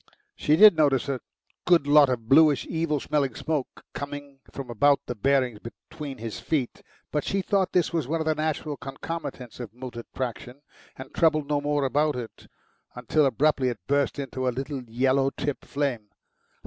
She did notice a good lot of bluish, evil smelling smoke coming from about the bearings between his feet, but she thought this was one of the natural concomitants of motor traction, and troubled no more about it, until abruptly it burst into a little yellow tipped flame.